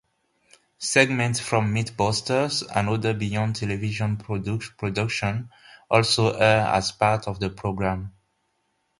Segments from "MythBusters", another Beyond Television production, also air as part of the program.